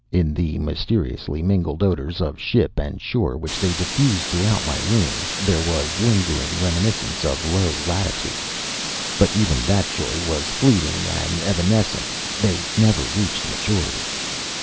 In the mysteriously mingled odors of ship and shore which they diffused throughout my room, there was lingering reminiscence of low latitudes. But even that joy was fleeting and evanescent: they never reached maturity.